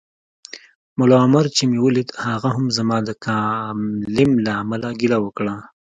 ملا عمر چي مې ولید هغه هم زما د کالم له امله ګیله وکړه